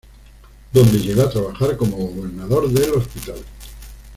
Donde llegó a trabajar como Gobernador del Hospital.